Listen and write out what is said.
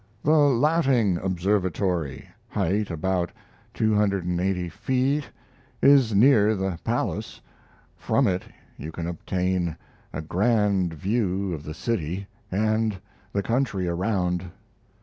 The Latting Observatory (height about 280 feet) is near the Palace from it you can obtain a grand view of the city and the country around.